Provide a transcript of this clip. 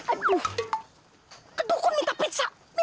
aduh kedukun minta pizza minta duit